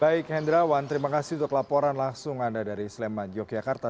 baik hendrawan terima kasih untuk laporan langsung anda dari sleman yogyakarta